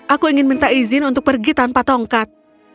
aku ingin minta izin untuk pergi tanpa tongkat